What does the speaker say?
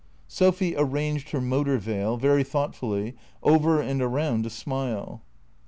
Sophy arranged her motor veil, very thoughtfully, over and around a smile.